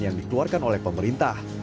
yang dikeluarkan oleh pemerintah